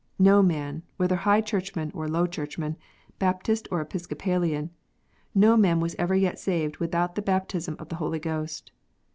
No man, whether High Churchman or Low Churchman, Baptist or Episcopalian, no man was ever yet saved without the baptism of the Holy Ghost.